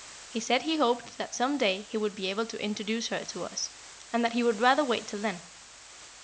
He said he hoped that some day he would be able to introduce her to us, and that he would rather wait till then.